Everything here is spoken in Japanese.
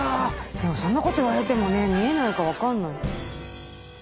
でもそんなこと言われてもね見えないから分かんない。